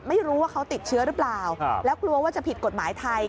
ไม่รู้ว่าเขาติดเชื้อหรือเปล่าแล้วกลัวว่าจะผิดกฎหมายไทย